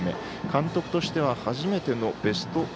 監督としては初めてのベスト４。